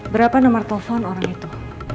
berapa nomor telepon orang itu